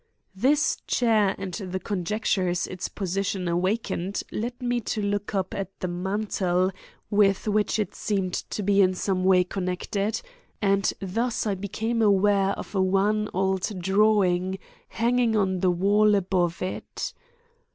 This chair and the conjectures its position awakened led me to look up at the mantel with which it seemed to be in some way connected, and thus I became aware of a wan old drawing hanging on the wall above it.